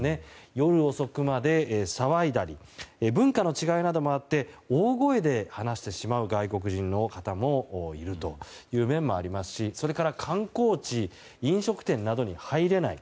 夜遅くまで騒いだり文化の違いなどもあって大声で話してしまう外国人の方もいるという面もありますしそれから観光地・飲食店などに入れない。